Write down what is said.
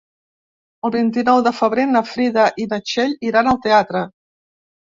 El vint-i-nou de febrer na Frida i na Txell iran al teatre.